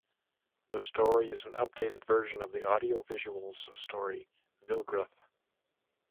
The story is an updated version of the Audio Visuals story "Vilgreth".